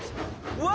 うわ！